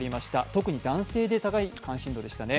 特に男性で高い関心度でしたね。